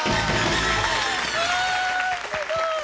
わすごい！